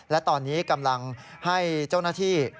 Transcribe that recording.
และตอนนี้กำลังให้เจ้าหน้าที่